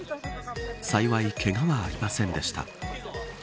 幸いけがはありませんでした。